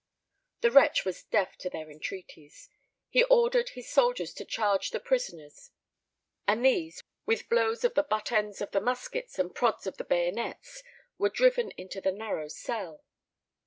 The wretch was deaf to their entreaties. He ordered his soldiers to charge the prisoners, and these, with blows of the butt ends of the muskets and prods of the bayonets, were driven into the narrow cell.